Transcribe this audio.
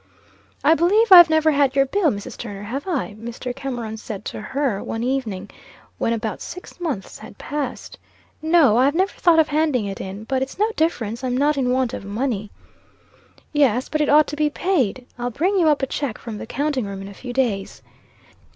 "I believe I've never had your bill, Mrs. Turner, have I?" Mr. Cameron said to her one evening, when about six months had passed. "No; I have never thought of handing it in. But it's no difference, I'm not in want of money." "Yes, but it ought to be paid. I'll bring you up a check from the counting room in a few days."